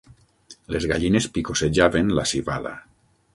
Les gallines picossejaven la civada.